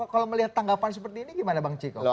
kalau melihat tanggapan seperti ini gimana bang ciko